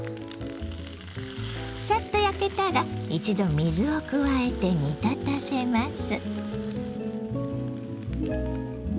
さっと焼けたら一度水を加えて煮立たせます。